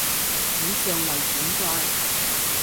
以上為轉載